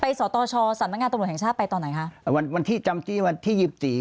ไปสตชสำงานตำรวจแห่งชาติไปต่อไหนฮะวันวันที่จำที่วันที่ยิบสี่